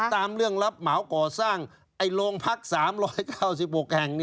ตามเรื่องรับเหมาก่อสร้างโรงพัก๓๙๖แห่ง